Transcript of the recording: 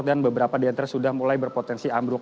dan beberapa diantre sudah mulai berpotensi ambruk